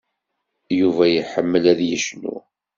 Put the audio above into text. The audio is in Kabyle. Yuba iḥemmel ad yecnu.